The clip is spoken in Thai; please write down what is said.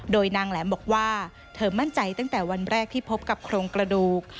โดยนางแหลมบอกว่าเธอมั่นใจตั้งแต่วันแรกที่พบกับโครงกระดูก